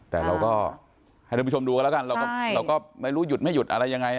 แต่เราก็ให้ท่านผู้ชมดูกันแล้วกันเราก็ไม่รู้หยุดไม่หยุดอะไรยังไง